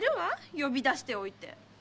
呼び出しておいて。